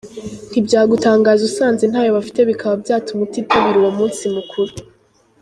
Ntibyagutangaza usanze ntayo bafite bikaba byatuma utitabira uwo munsi mukuru.